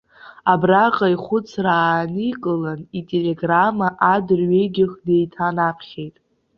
Абраҟа ихәыцра ааникылан, ителеграмма адырҩегьых деиҭанаԥхьеит.